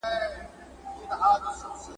نو پیغام تر ښکلا مهم دی !.